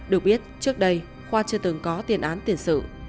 được biết trước đây khoa chưa từng có tiền án tiền sự